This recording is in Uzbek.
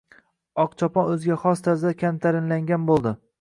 Oqchopon o‘ziga xos tarzda kamtarinlangan bo‘ldi: